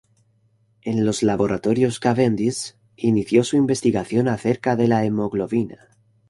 En los Laboratorios Cavendish inició su investigación acerca de la hemoglobina.